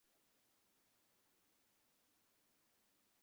কারুর সঙ্গেই বিবাদে আবশ্যক নাই।